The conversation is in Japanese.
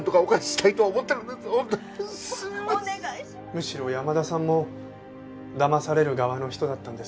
むしろ山田さんも騙される側の人だったんです。